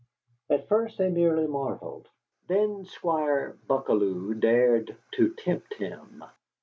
At first they merely marvelled. Then Squire Buckalew dared to tempt him.